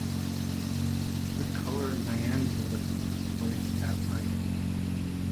The color nyanza is displayed at right.